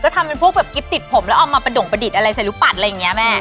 ก็ทำเป็นพวกแบบกิ๊บติดผมแล้วเอามาประดิษฐ์อะไรลูกปัดอะไรแบบนี้แม่